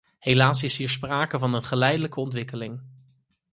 Helaas is hier sprake van een geleidelijke ontwikkeling.